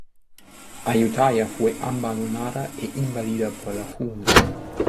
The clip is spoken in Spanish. Ayutthaya fue abandonada e invadida por la jungla.